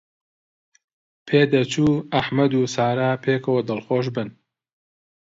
پێدەچوو ئەحمەد و سارا پێکەوە دڵخۆش بن.